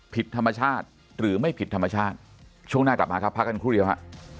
ผิดธรรมชาติหรือไม่ผิดธรรมชาติช่วงหน้ากลับมาครับพักกันครู่เดียวฮะ